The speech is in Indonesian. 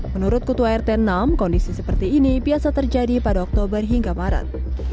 menurut kutu air sepuluh enam kondisi seperti ini biasa terjadi pada oktober hingga maret